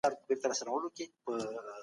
تاسو بايد د تېرو پېښو فکري سرچينې پيدا کړئ.